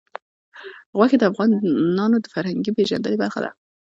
غوښې د افغانانو د فرهنګي پیژندنې برخه ده.